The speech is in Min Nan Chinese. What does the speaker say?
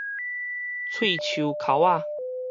喙鬚剾仔